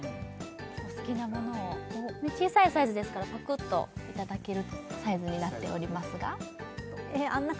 お好きなものを小さいサイズですからパクッといただけるサイズになっておりますがええあんな